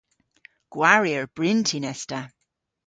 Gwarier bryntin es ta.